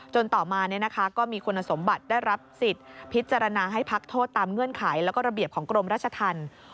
ต่อมาก็มีคุณสมบัติได้รับสิทธิ์พิจารณาให้พักโทษตามเงื่อนไขแล้วก็ระเบียบของกรมราชธรรม